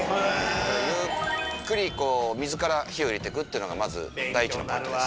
ゆっくり水から火を入れてくっていうのがまず第１のポイントです。